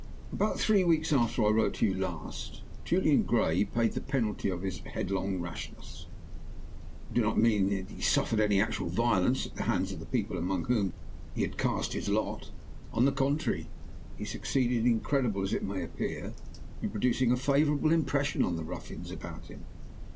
"About three weeks after I wrote to you last, Julian Gray paid the penalty of his headlong rashness. I do not mean that he suffered any actual violence at the hands of the people among whom he had cast his lot. On the contrary, he succeeded, incredible as it may appear, in producing a favorable impression on the ruffians about him.